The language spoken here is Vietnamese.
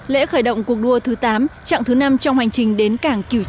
lễ khởi động cuộc đua thứ tám chặng thứ năm trong hoành trình đến cảng tàu quốc tế hạ long